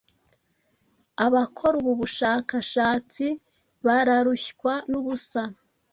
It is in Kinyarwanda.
abakora ubu bushakashatsi bararushywa n’ubusa